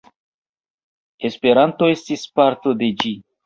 Esperanto estis parto de ĝi.